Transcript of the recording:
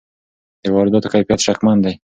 د وارداتو کیفیت شکمن دی.